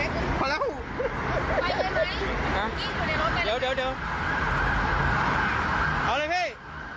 เอาเลยพี่